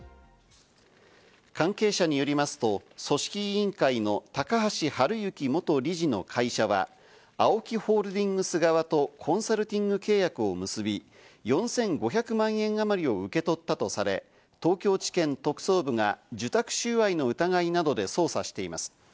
関係者によりますと、組織委員会の高橋治之元理事の会社はＡＯＫＩホールディングス側とコンサルティング契約を結び、４５００万円あまりを受け取ったとされ、東京地検特捜部が受託収賄の疑いなどで捜査しています。